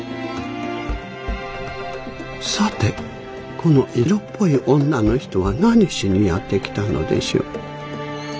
さてこの色っぽい女の人は何しにやって来たのでしょう？